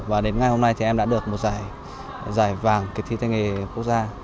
và đến ngay hôm nay thì em đã được một giải vàng kỳ thi tay nghề quốc gia